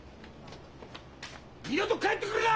二度と帰ってくるな！